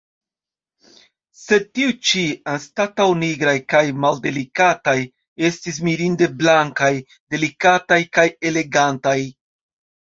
Sed tiuj ĉi, anstataŭ nigraj kaj maldelikataj, estis mirinde blankaj, delikataj kaj elegantaj.